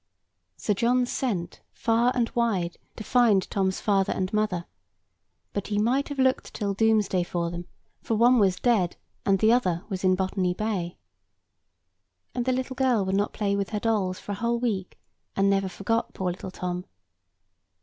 Sir John sent, far and wide, to find Tom's father and mother: but he might have looked till Doomsday for them, for one was dead, and the other was in Botany Bay. And the little girl would not play with her dolls for a whole week, and never forgot poor little Tom.